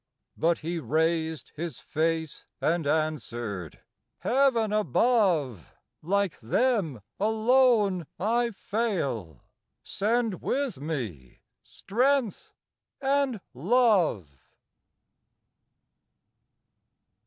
But he raised His face and answer'd, 'Heav'n above, Like them, alone I fail; send with me Strength and Love.